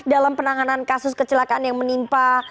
dalam penanganan kasus kecelakaan yang menimpa